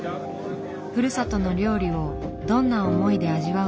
ふるさとの料理をどんな思いで味わうのか。